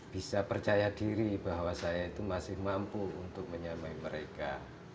bisa percaya diri bahwa saya itu masih mampu untuk menyamai mereka